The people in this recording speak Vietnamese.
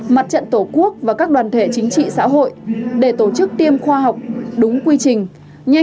mặt trận tổ quốc và các đoàn thể chính trị xã hội để tổ chức tiêm khoa học đúng quy trình như